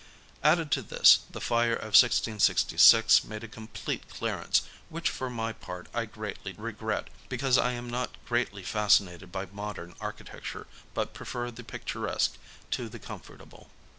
Added to this, the Fire of 1666 made a complete clearance, which for my part I greatly regret, because I am not greatly fascinated by modern architecture but prefer the picturesque to the com fortable.